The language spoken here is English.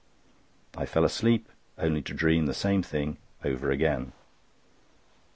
I fell asleep, only to dream the same thing over and over again.